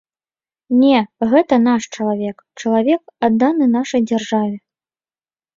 Не, гэта наш чалавек, чалавек, адданы нашай дзяржаве.